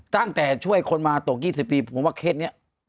ตั้งแต่ช่วยคนมาตก๒๐ปีผมว่าเคสนี้